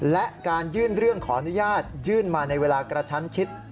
และการยื่นเรื่องขออนุญาตยื่นมาในเวลากระชั้นชิด